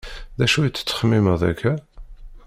D acu i tettxemmimeḍ akka?